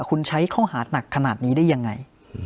คุณใช้ข้อหาหนักขนาดนี้ได้ยังไง